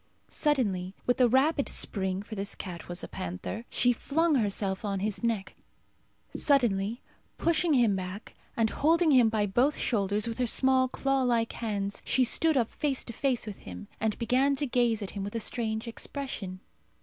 Suddenly with a rapid spring, for this cat was a panther, she flung herself on his neck. Suddenly, pushing him back, and holding him by both shoulders with her small claw like hands, she stood up face to face with him, and began to gaze at him with a strange expression.